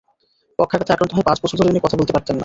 পক্ষাঘাতে আক্রান্ত হয়ে পাঁচ বছর ধরে তিনি কথা বলতে পারতেন না।